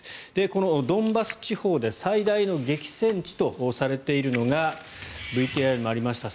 このドンバス地方で最大の激戦地とされているのがＶＴＲにもありました